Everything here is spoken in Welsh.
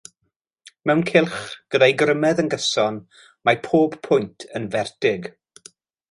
Mewn cylch, gyda'i grymedd yn gyson, mae pob pwynt yn fertig.